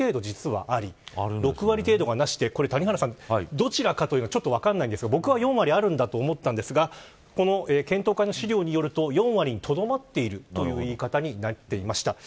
谷原さん、どちらかは分からないんですが僕は４割あるんだなと思ったんですがこの検討会の資料によると４割にとどまっているという言い方になっていました。